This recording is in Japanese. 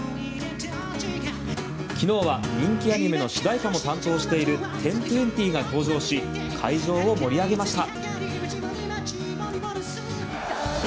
昨日は人気アニメの主題歌も担当しているＸＩＩＸが登場し会場を盛り上げました！